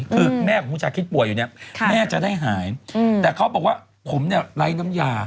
คือแม่ของคุณชาคิดป่วยอยู่เนี่ยแม่จะได้หายแต่เขาบอกว่าผมเนี่ยไร้น้ำยา